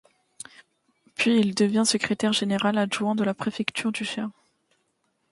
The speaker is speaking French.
Puis il devient secrétaire général adjoint de la préfecture du Cher.